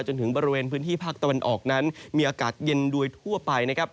จนถึงบริเวณพื้นที่ภาคตะวันออกนั้นมีอากาศเย็นโดยทั่วไปนะครับ